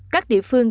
các địa phương